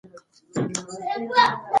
دی د بیدارۍ په خوند پوه شو.